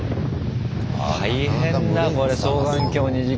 大変だこれ双眼鏡２時間。